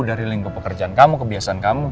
dari lingkup pekerjaan kamu kebiasaan kamu